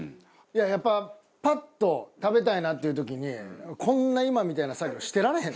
やっぱパッと食べたいなっていう時にこんな今みたいな作業してられへん。